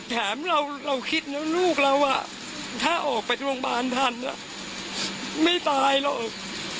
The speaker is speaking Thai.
แถมเราคิดนะลูกเราถ้าออกไปโรงพยาบาลทันไม่ตายหรอก